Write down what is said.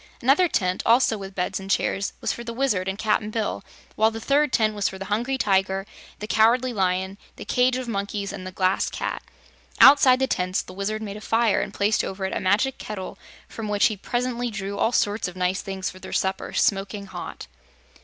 Another tent, also with beds and chairs, was for the Wizard and Cap'n Bill, while the third tent was for the Hungry Tiger, the Cowardly Lion, the cage of Monkeys and the Glass Cat. Outside the tents the Wizard made a fire and placed over it a magic kettle from which he presently drew all sorts of nice things for their supper, smoking hot.